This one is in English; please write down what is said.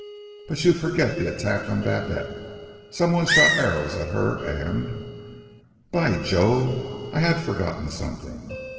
"But you forget the attack on Babette! Some one shot arrows at her and " "By Jove! I had forgotten something!